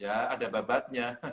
ya ada babatnya